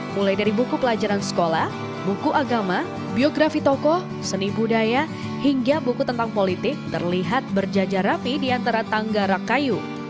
mulai dari buku pelajaran sekolah buku agama biografi tokoh seni budaya hingga buku tentang politik terlihat berjajar rapi di antara tangga rak kayu